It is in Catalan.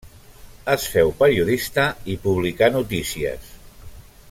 Es féu periodista, i publicà notícies.